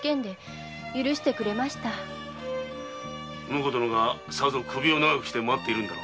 婿殿がさぞ首を長くして待っているのでは？